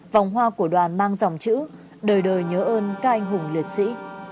vòng hoa của đoàn mang dòng chữ đời đời nhớ ơn các anh hùng liệt sĩ